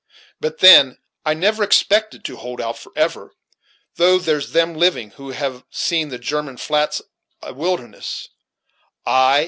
But then I never expected to hold out forever; though there's them living who have seen the German flats a wilderness; ay!